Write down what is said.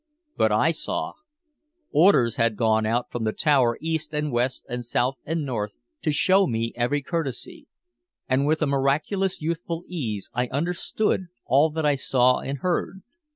But I saw. Orders had gone out from the tower east and west and south and north to show me every courtesy. And with a miraculous youthful ease I understood all that I saw and heard.